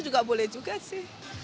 juga boleh juga sih